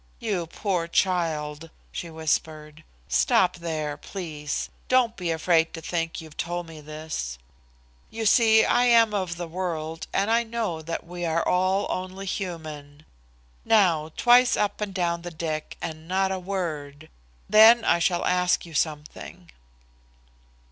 "You poor child," she whispered. "Stop there, please. Don't be afraid to think you've told me this. You see, I am of the world, and I know that we are all only human. Now, twice up and down the deck, and not a word. Then I shall ask you something."